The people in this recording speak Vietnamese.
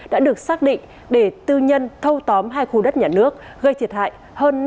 đã được xác định để tư nhân thâu tóm hai khu đất nhà nước gây thiệt hại hơn năm bảy trăm linh tỷ đồng